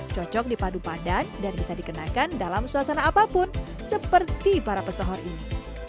cocok dipadu padan dan bisa dikenakan dalam suasana apapun seperti para pesohor ini